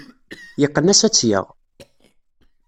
Yeqqen-as ad tt-yaɣ.